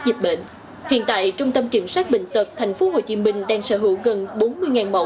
dịch bệnh hiện tại trung tâm kiểm soát bệnh tật thành phố hồ chí minh đang sở hữu gần bốn mươi mẫu